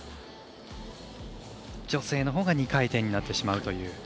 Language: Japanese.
女性のほうが２回転になってしまうという。